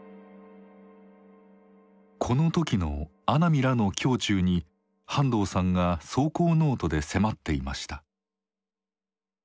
この時の阿南らの胸中に半藤さんが草稿ノートで迫っていました。